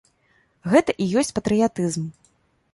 Гэта і ёсць патрыятызм.